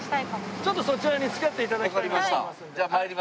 ちょっとそちらに付き合って頂きたいなと思います。